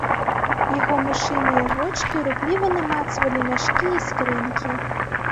Яго мышыныя вочкі рупліва намацвалі мяшкі і скрынкі.